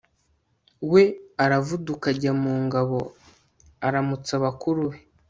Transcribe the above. we aravuduka ajya mu ngabo aramutsa bakuru be